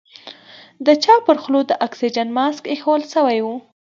د چا پر خوله د اکسيجن ماسک ايښوول سوى و.